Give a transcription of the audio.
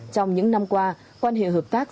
trong những năm qua quan hệ hợp tác